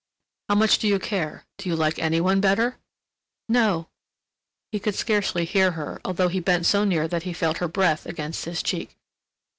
"How much do you care—do you like any one better?" "No." He could scarcely hear her, although he bent so near that he felt her breath against his cheek.